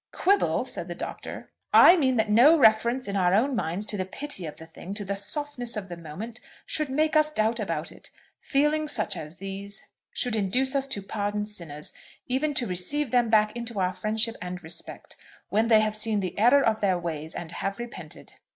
"Quibble!" said the Doctor. "I mean that no reference in our own minds to the pity of the thing, to the softness of the moment, should make us doubt about it. Feelings such as these should induce us to pardon sinners, even to receive them back into our friendship and respect, when they have seen the error of their ways and have repented."